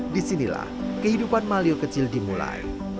disinilah kehidupan malio kecil dimulai